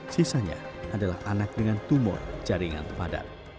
sisanya adalah anak dengan tumor jaringan padat